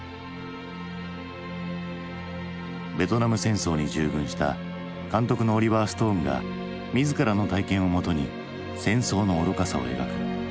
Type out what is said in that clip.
ベトナム戦争に従軍した監督のオリバー・ストーンが自らの体験をもとに戦争の愚かさを描く。